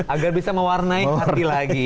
agar bisa mewarnai hati lagi